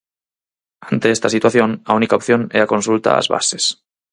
Ante esta situación, a única opción é a consulta ás bases.